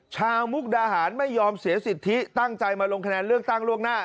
มุกดาหารไม่ยอมเสียสิทธิตั้งใจมาลงคะแนนเลือกตั้งล่วงหน้า